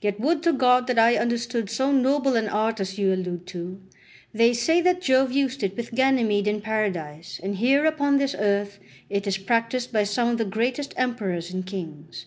Yet would to God that I understood so noble an art as you allude to; they say that Jove used it with Ganymede in paradise, and here upon this earth it is practised by some of the greatest emperors and kings.